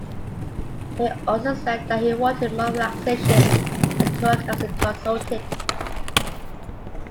He also said that he wanted more relaxation, and to work as a consultant.